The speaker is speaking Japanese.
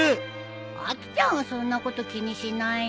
アキちゃんはそんなこと気にしないよ。